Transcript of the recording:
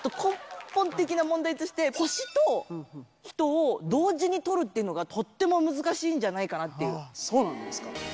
あと根本的な問題として、星と人を同時に撮るっていうのが、とっても難しいんじゃないかなっそうなんですか？